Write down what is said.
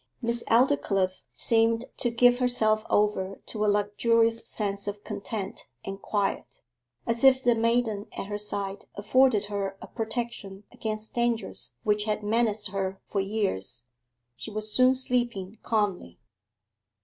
Miss Aldclyffe seemed to give herself over to a luxurious sense of content and quiet, as if the maiden at her side afforded her a protection against dangers which had menaced her for years; she was soon sleeping calmly.